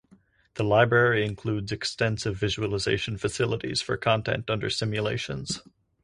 The library includes extensive visualization facilities for content under simulations.